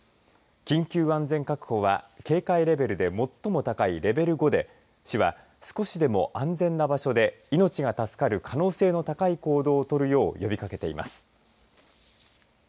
緊急安全確保は警戒レベルで最も高いレベル５で市は少しでも安全な場所で命が助かる可能性の高い行動をとるよう呼びかけています。